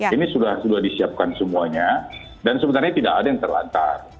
ini sudah disiapkan semuanya dan sebenarnya tidak ada yang terlantar